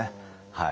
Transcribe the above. はい。